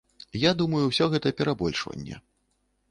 Я думаю, усё гэта перабольшванне.